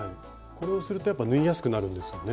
これをするとやっぱ縫いやすくなるんですよね。